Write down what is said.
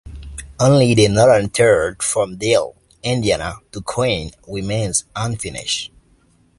Only the northern third from Dale, Indiana, to Crane remains unfinished.